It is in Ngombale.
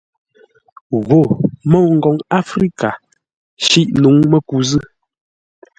Gho, môu ngoŋ áfrə́ka, shîʼ nǔŋ məku zʉ̂.